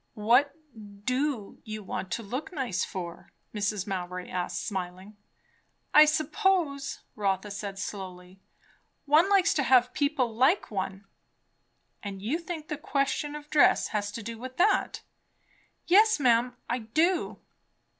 "What do you want to look nice for?" Mrs. Mowbray asked smiling. "I suppose," Rotha said slowly, "one likes to have people like one." "And you think the question of dress has to do with that?" "Yes, ma'am, I do."